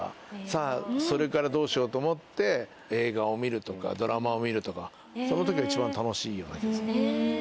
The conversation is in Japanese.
さぁそれからどうしようと思って映画を見るとかドラマを見るとかその時が一番楽しいような気がする。